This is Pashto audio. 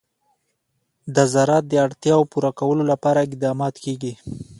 د زراعت د اړتیاوو پوره کولو لپاره اقدامات کېږي.